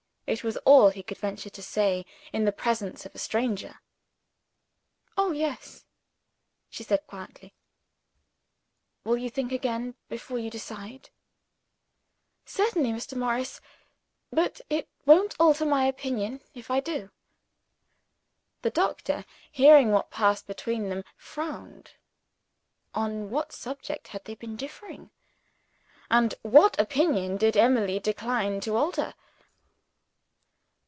It was all he could venture to say, in the presence of a stranger. "Oh, yes!" she said quietly. "Will you think again, before you decide?" "Certainly, Mr. Morris. But it won't alter my opinion, if I do." The doctor, hearing what passed between them, frowned. On what subject had they been differing? And what opinion did Emily decline to alter?